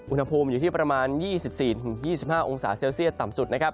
อุณหภูมิอยู่ที่ประมาณ๒๔๒๕องศาเซลเซียตต่ำสุดนะครับ